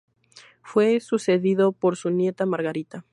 Fue sucedido por su nieta Margarita.